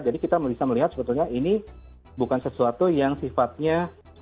jadi kita bisa melihat sebetulnya ini bukan sesuatu yang sifatnya